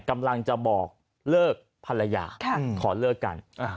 กำลังจะบอกเลิกภรรยาขอเลิกกัน